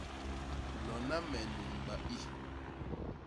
Lona me nunba i.